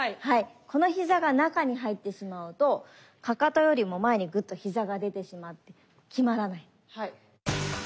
この膝が中に入ってしまうとかかとよりも前にグッと膝が出てしまって極まらない。